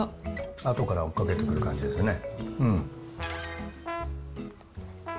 あとから追っかけてくる感じですよね。